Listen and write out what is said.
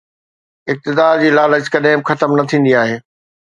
اقتدار جي لالچ ڪڏهن به ختم نه ٿيندي آهي